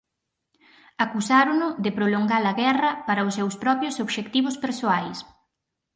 Acusárono de prolongar a guerra para os seus propios obxectivos persoais.